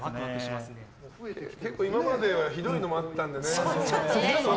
今まではひどいのもあったんでね。